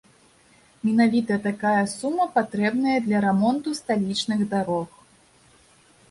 Менавіта такая сума патрэбная для рамонту сталічных дарог.